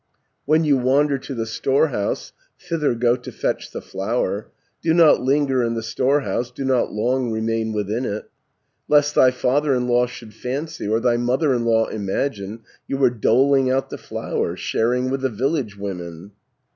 "When you wander to the storehouse, Thither go to fetch the flour, Do not linger in the storehouse, Do not long remain within it, 330 Lest thy father in law should fancy, Or thy mother in law imagine, You were doling out the flour, Sharing with the village women.